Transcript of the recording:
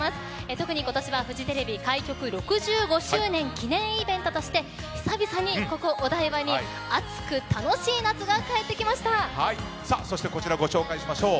特に今年はフジテレビ開局６５周年記念イベントとして久々にここ、お台場にそして、こちらご紹介しましょう。